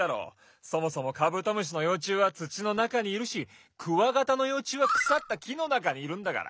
そもそもカブトムシのようちゅうはつちのなかにいるしクワガタのようちゅうはくさったきのなかにいるんだから。